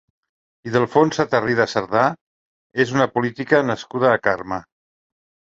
Ildefonsa Tarrida Sardà és una política nascuda a Carme.